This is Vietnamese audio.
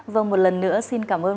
vâng một lần nữa xin cảm ơn